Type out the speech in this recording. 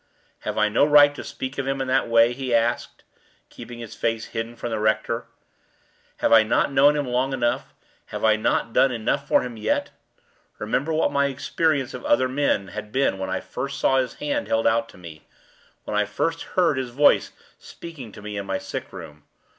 "Have I no right to speak of him in that way?" he asked, keeping his face hidden from the rector. "Have I not known him long enough; have I not done enough for him yet? Remember what my experience of other men had been when I first saw his hand held out to me when I first heard his voice speaking to me in my sick room.